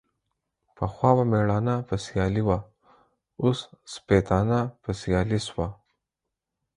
پخوا به ميړانه په سيالي وه ، اوس سپيتانه په سيالي سوه.